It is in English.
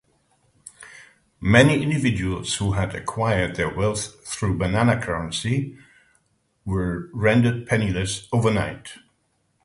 Many individuals who had acquired their wealth through banana currency were rendered penniless overnight.